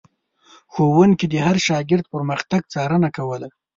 ښوونکي د هر شاګرد پرمختګ څارنه کوله.